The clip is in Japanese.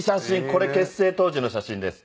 これ結成当時の写真です。